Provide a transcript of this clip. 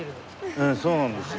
ええそうなんですよ。